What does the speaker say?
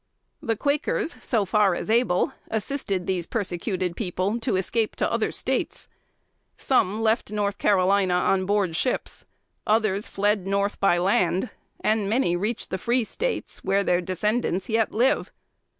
The Quakers, so far as able, assisted these persecuted people to escape to other States. Some left North Carolina on board ships; others fled north by land; and many reached the free States, where their descendants yet live.